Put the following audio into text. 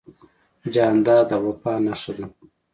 جانداد د وفا نښه ده.